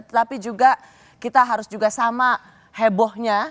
tetapi juga kita harus juga sama hebohnya